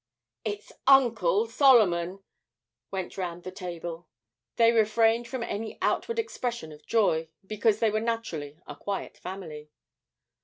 'It's Uncle Solomon!' went round the table. They refrained from any outward expression of joy, because they were naturally a quiet family.